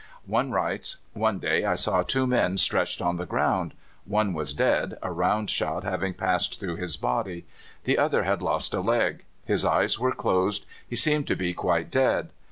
One writes: "One day I saw two men stretched on the ground. One was dead, a round shot having passed through his body; the other had lost a leg. His eyes were closed; he seemed to be quite dead.